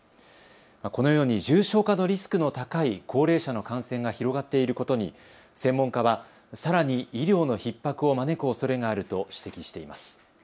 このように重症化のリスクの高い高齢者の感染が広がっていることに専門家はさらに医療のひっ迫を招くおそれがあると指摘しています。